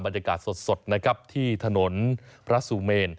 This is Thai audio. บรรยากาศสดนะครับที่ถนนพระสุเมน